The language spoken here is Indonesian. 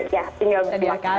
ya tinggal berpikir pikir